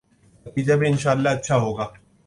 نتیجہ بھی انشاء اﷲ اچھا ہو گا۔